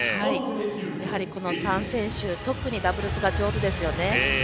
やはりこの３選手特にダブルスが上手ですよね。